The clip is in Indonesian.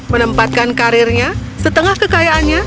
menempatkan karirnya setengah kekayaannya